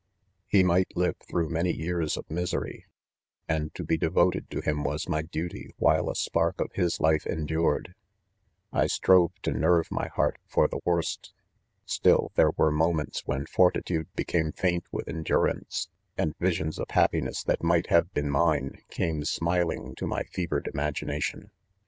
— Ke might live through many years of misery ; and to be devoted to him was my duty while a spark of his life endured. I strove to nerve fliy heart for the worst. Still there were mo Meats when fortitude became faint with endu rance j and visions of happiness that miglr"; have been mine, came smiling to my fevered imagination.